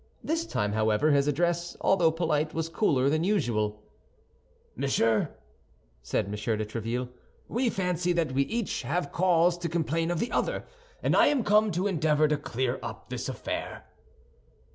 This time, however, his address, although polite, was cooler than usual. "Monsieur," said M. de Tréville, "we fancy that we have each cause to complain of the other, and I am come to endeavor to clear up this affair."